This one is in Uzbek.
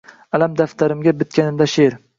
Alam daftarimga bitganida she’r